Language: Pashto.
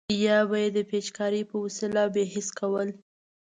یا به یې د پیچکارۍ په وسیله بې حس کول.